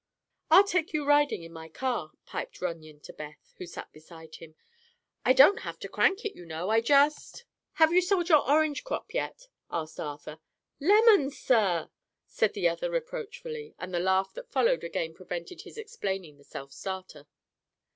"I'll take you riding in my car," piped Runyon to Beth, who sat beside him. "I don't have to crank it, you know; I just—" "Have you sold your orange crop yet?" asked Arthur. "Lemons, sir!" said the other reproachfully. And the laugh that followed again prevented his explaining the self starter.